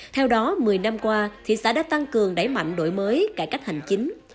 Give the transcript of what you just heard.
theo đó một mươi năm qua thị xã đã tăng cường đẩy mạnh đổi mới cải cách hành chính